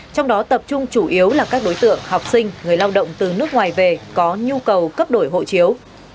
trong đó tập trung chủ yếu là các đối tượng học sinh người lao động từ nước ngoài về có nhu cầu cấp đổi hộ chiếu